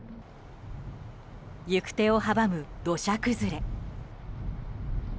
行く手を阻む土砂崩れ。